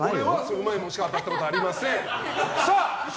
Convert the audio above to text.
うまいものしか当たったことありません。